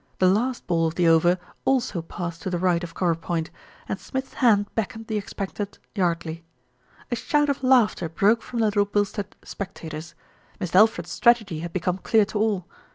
The last ball of the over also passed to the right of cover point, and Smith's hand beckoned the expectant Yardley. A shout of laughter broke from the Little Bilstead spectators. Mist' Alfred's strategy had become clear to all.